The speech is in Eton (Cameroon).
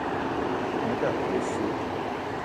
Me ta ke osso.